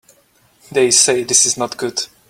They say this is not good.